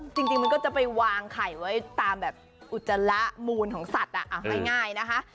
จริงมันก็จะไปวางไข่ไว้ตามแบบอุจจาระมูลของสัตว์ง่ายนะคะ